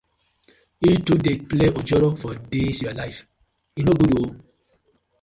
Yu too dey play ojoro for dis yu life, e no good ooo.